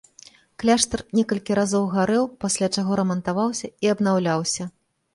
Кляштар некалькі разоў гарэў, пасля чаго рамантаваўся і абнаўляўся.